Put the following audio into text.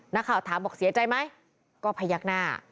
นักข่าวถามบอกเสียใจไหมก็พยักหน้า